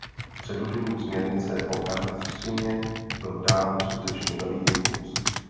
Předložením směrnice o elektřině byl dán skutečně nový impuls.